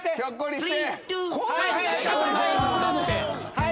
はい。